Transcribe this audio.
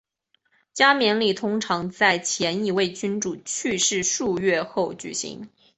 加冕礼通常在前一位君主去世数月后举行。